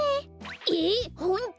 えっホント！？